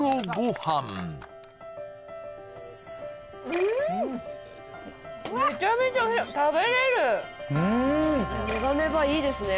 うんめちゃめちゃおいしい食べれるネバネバいいですね